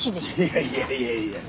いやいやいやいや。